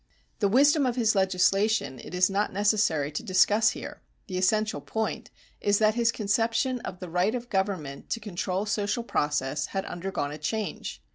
The wisdom of his legislation it is not necessary to discuss here. The essential point is that his conception of the right of government to control social process had undergone a change.